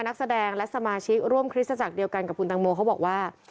นักแสดงและสมาชิกร่วมคริสตจักรเดียวกันกับคุณตังโมเขาบอกว่า